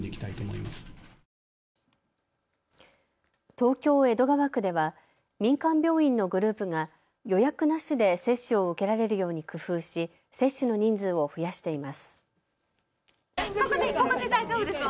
東京江戸川区では民間病院のグループが予約なしで接種を受けられるように工夫し接種の人数を増やしています。